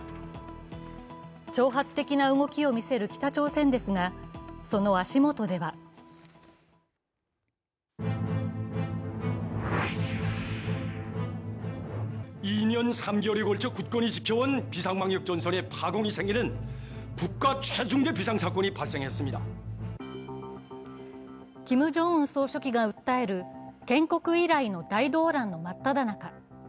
挑発的な動きを見せる北朝鮮ですが、その足元ではキム・ジョンウン総書記が訴える建国以来の大動乱の真っただ中。